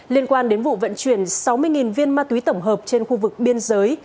liên quan đến vụ vận chuyển sáu mươi viên ma túy tổng hợp trên khu vực biên giới